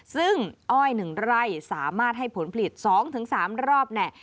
ซึ่งอ้อยหนึ่งร่ายสามารถให้ผลผลิต๒๓รอบแน่